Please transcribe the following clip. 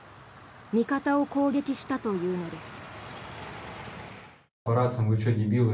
味方を攻撃したというのです。